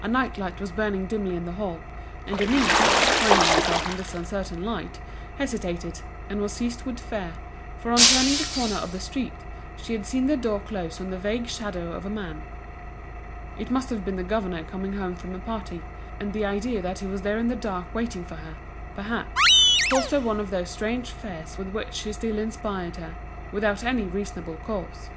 A night light was burning dimly in the hall, and Denise, finding herself in this uncertain light, hesitated, and was seized with fear, for on turning the corner of the street, she had seen the door close on the vague shadow of a man. It must have been the governor coming home from a party; and the idea that he was there in the dark waiting for her, perhaps, caused her one of those strange fears with which he still inspired her, without any reasonable cause.